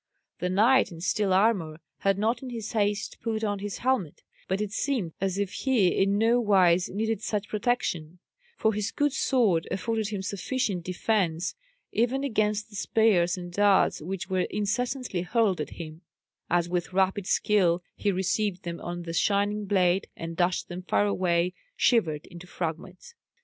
The knight in steel armour had not in his haste put on his helmet; but it seemed as if he in no wise needed such protection, for his good sword afforded him sufficient defence even against the spears and darts which were incessantly hurled at him, as with rapid skill he received them on the shining blade, and dashed them far away, shivered into fragments.